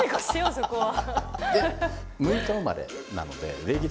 そこは。